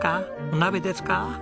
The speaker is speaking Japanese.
お鍋ですか？